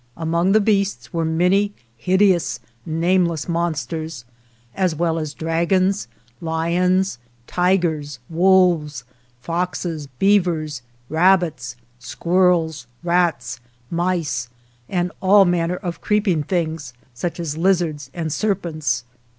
Among the beasts were many hideous, nameless monsters, as well as dragons, lions, tigers, wolves, foxes, beavers, rabbits, squirrels, rats, mice, and all manner of creeping things such as lizards and ser pents.